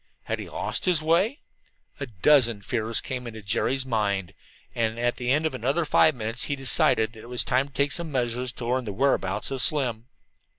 Had he lost his way? A dozen fears came into Jerry's mind, and at the end of another five minutes he decided that it was time to take some measure to learn the whereabouts of Slim.